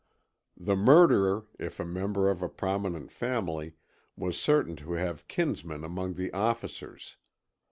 The murderer, if a member of a prominent family, was certain to have kinsmen among the officers.